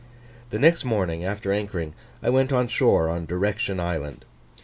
The next morning after anchoring, I went on shore on Direction Island.